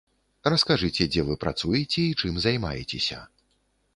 Раскажыце, дзе вы працуеце і чым займаецеся.